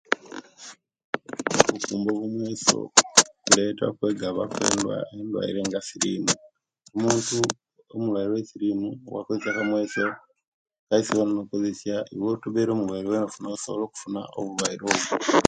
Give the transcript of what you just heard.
Okukumba obumweso kuleta okwe okwegaabaa okwendwaire nga silimu omuntu omulwaire owe silimu owakozesia akamweso kaisi wena nokozesia iwe tobeere omulwaire wena osobola okufuna obulwaire obwo